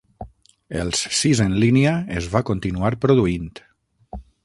Els sis en línia es va continuar produint.